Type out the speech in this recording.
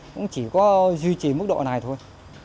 cũng chỉ có duy trì mức độ này thôi